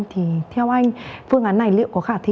thì theo anh phương án này liệu có khả thi